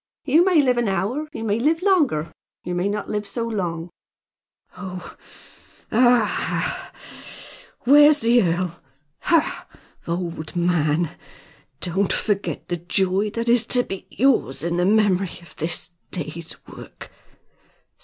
"You may live an hour; you may live longer, and you may not live so long." "Oh! Aha! ha! ha! Where's the earl? Ha! old man! Don't forget the joy that is to be yours in the memory of this day's work!